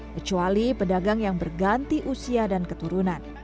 kecuali pedagang yang berganti usia dan keturunan